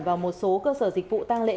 vào một số cơ sở dịch vụ tăng lễ